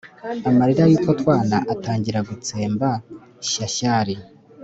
amarira y’utwo twana atangira gutemba shyashyari